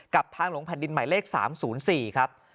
ทางหลวงแผ่นดินหมายเลข๓๐๔ครับ